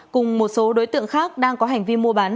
cùng một số đối tượng khác đang có hành vi mua bán